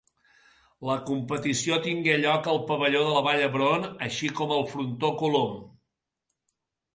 La competició tingué lloc al Pavelló de la Vall d'Hebron així com al Frontó Colom.